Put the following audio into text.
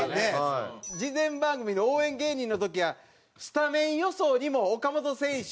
事前番組の応援芸人の時はスタメン予想にも岡本選手